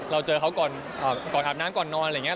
เราเจอเขาก่อนอาบน้ำก่อนนอนอะไรอย่างนี้